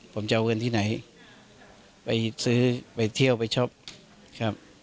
ผมจะเอาเงินที่ไหนไปซื้อไปเที่ยวไปช็อปครับ